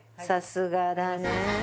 さすがだね。